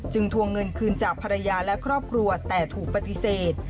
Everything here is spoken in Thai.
ทวงเงินคืนจากภรรยาและครอบครัวแต่ถูกปฏิเสธ